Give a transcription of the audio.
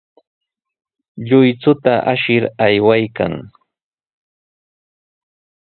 Lluychuta ashir aywaykan.